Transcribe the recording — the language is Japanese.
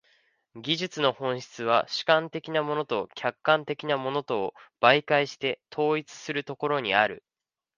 技術の本質は主観的なものと客観的なものとを媒介して統一するところにある。